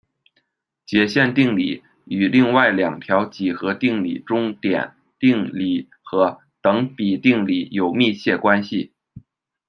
截线定理与另外两条几何定理中点定理和等比定理有密切关系。